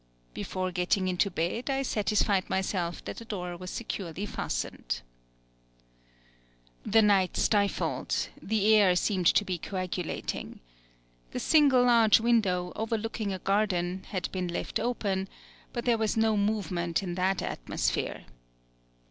Before getting into bed, I satisfied myself that the door was securely fastened. The night stifled; the air seemed to be coagulating. The single large window, overlooking a garden, had been left open, but there was no movement in that atmosphere.